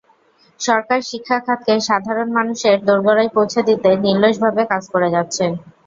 সরকার শিক্ষা খাতকে সাধারণ মানুষের দোরগোড়ায় পৌঁছে দিতে নিরলসভাবে কাজ করে যাচ্ছে।